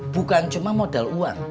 bukan cuma modal uang